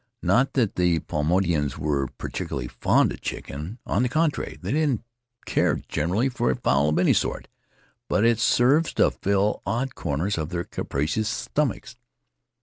Not that the Paumotuans are particularly fond of chicken; on the contrary, they don't care greatly for fowl of any sort, but it serves to fill odd corners of their capacious stomachs.